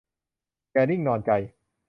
อย่านิ่งนอนใจ